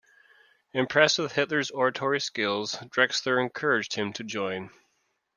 Impressed with Hitler's oratory skills, Drexler encouraged him to join.